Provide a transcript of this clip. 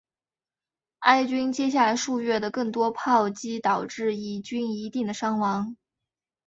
埃军接下来数月的更多炮击导致以军一定的伤亡。